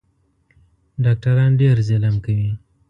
ډاکټران ډېر ظلم کوي